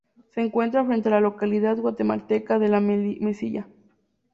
Se encuentra frente a la localidad guatemalteca de La Mesilla.